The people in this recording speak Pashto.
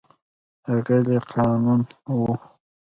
د غلې قانون و.